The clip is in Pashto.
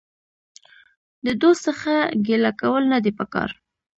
د دوست څخه ګيله کول نه دي په کار.